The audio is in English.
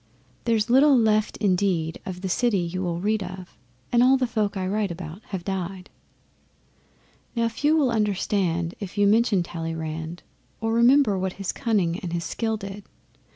There's little left indeed of the city you will read of, And all the folk I write about have died. Now few will understand if you mention Talleyrand, Or remember what his cunning and his skill did.